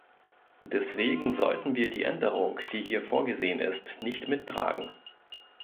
Deswegen sollten wir die Änderung, die hier vorgesehen ist, nicht mittragen.